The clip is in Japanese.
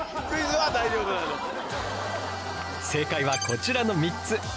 正解はこちらの３つ。